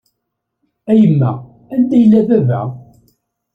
A yemma, anda yella baba?